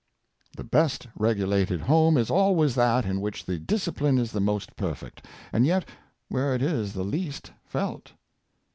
The best regulated home is always that in which the discipline is the most perfect, and yet where it is the least felt.